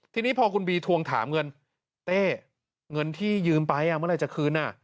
ทีนี้พอคุณบีทวงถามเงินเต้เงินที่ยืมไปเมื่อไหร่จะคืน